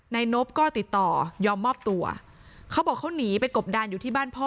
นบก็ติดต่อยอมมอบตัวเขาบอกเขาหนีไปกบดานอยู่ที่บ้านพ่อ